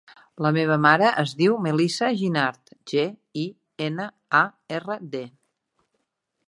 La meva mare es diu Melissa Ginard: ge, i, ena, a, erra, de.